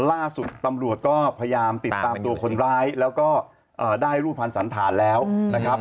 ล่าสุดตำรวจก็พยายามติดตามตัวคนร้ายแล้วก็ได้รูปภัณฑ์สันฐานแล้วนะครับ